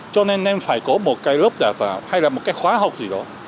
cho nên nên phải có một cái lớp đào tạo hay là một cái khóa học gì đó